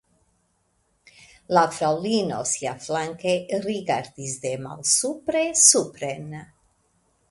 La fraŭlino siaflanke rigardis de malsupre supren.